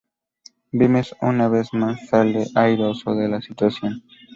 Vimes, una vez más, sale airoso de la situación.